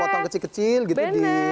yang dipotong kecil kecil gitu